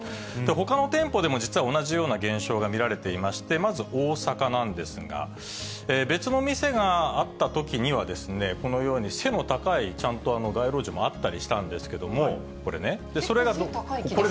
ほかの店舗でも、実は同じような現象が見られていまして、まず大阪なんですが、別の店があったときには、このように背の高い、ちゃんと街路樹もあったりしたんですけれども、これね。